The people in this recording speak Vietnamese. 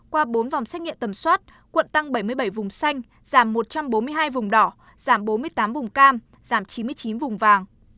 qua bốn vòng xét nghiệm tầm soát quận tăng bảy mươi bảy vùng xanh giảm một trăm bốn mươi hai vùng đỏ giảm bốn mươi tám vùng cam giảm chín mươi chín vùng vàng